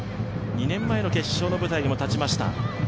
２年前の決勝の舞台にも立ちました。